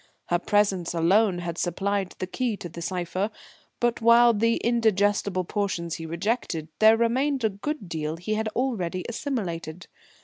Her presence alone had supplied the key to the cipher. But while the indigestible portions he rejected, there remained a good deal he had already assimilated.